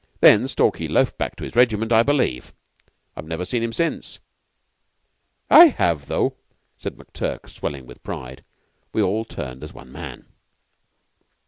Then Stalky loafed back to his regiment, I believe. I've never seen him since." "I have, though," said McTurk, swelling with pride. We all turned as one man.